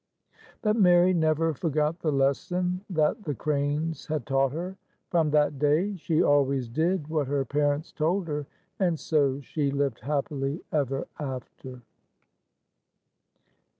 But Mary never forgot the lesson that the cranes had taught her. From that day, she always did what her parents told her, and so she lived happily ever after.